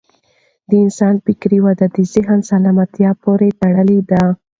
د انسان فکري وده د ذهن سالمتیا پورې تړلې ده.